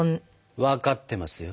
分かってますよ。